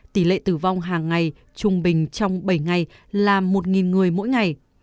tỷ lệ tử vong hàng ngày trung bình trong bảy ngày là một người mỗi ngày